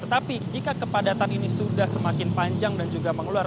tetapi jika kepadatan ini sudah semakin panjang dan juga mengeluar